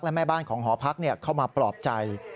และแม่บ้านของหอพักเข้ามาปลอบใจ